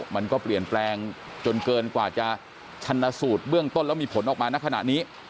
มันก็เปลี่ยนแปลงจนเกินกว่าจะชันสูตรเบื้องต้นแล้วมีผลออกมาณขณะนี้